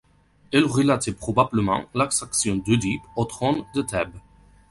Elle relatait probablement l'accession d'Œdipe au trône de Thèbes.